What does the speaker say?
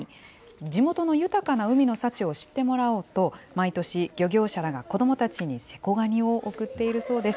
地元の豊かな海の幸を知ってもらおうと、毎年、漁業者らが子どもたちにセコガニを贈っているそうです。